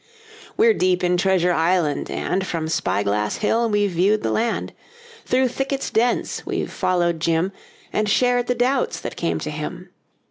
We're deep in Treasure Island, and From Spy Glass Hill we've viewed the land; Through thickets dense we've followed Jim And shared the doubts that came to him.